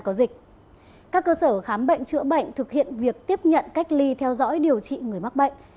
có dịch các cơ sở khám bệnh chữa bệnh thực hiện việc tiếp nhận cách ly theo dõi điều trị người mắc bệnh